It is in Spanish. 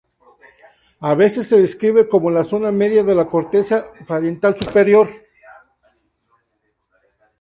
A veces se describe como la zona media de la corteza parietal superior.